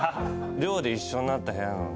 寮で一緒になった部屋のね